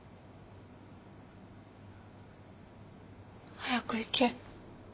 「早く行け。